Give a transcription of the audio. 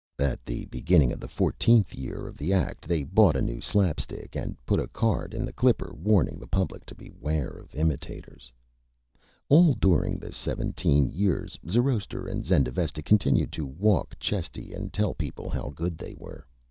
At the beginning of the Fourteenth Year of the Act they bought a new Slap Stick and put a Card in the Clipper warning the Public to beware of Imitators. [Illustration: ZENDAVESTA] All during the Seventeen Years Zoroaster and Zendavesta continued to walk Chesty and tell People how Good they were.